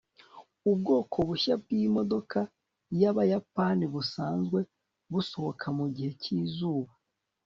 ubwoko bushya bwimodoka yabayapani busanzwe busohoka mugihe cyizuba